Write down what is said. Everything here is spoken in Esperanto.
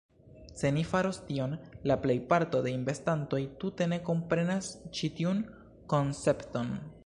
Se ni faros tion, la plejparto de investantoj tute ne komprenas ĉi tiun koncepton